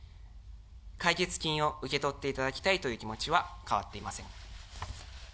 解決金を受け取っていただきたいという気持ちは変わっていません。